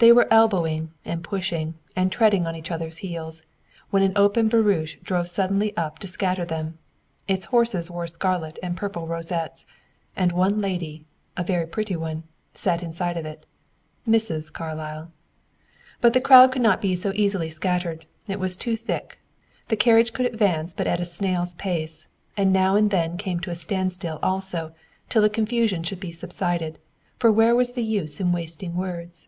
They were elbowing, and pushing, and treading on each other's heels, when an open barouche drove suddenly up to scatter them. Its horses wore scarlet and purple rosettes; and one lady, a very pretty one, sat inside of it Mrs. Carlyle. But the crowd could not be so easily scattered; it was too thick; the carriage could advance but at a snail's pace, and now and then came to a standstill also, till the confusion should be subsided; for where was the use of wasting words?